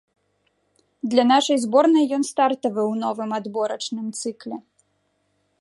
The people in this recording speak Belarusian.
Для нашай зборнай ён стартавы ў новым адборачным цыкле.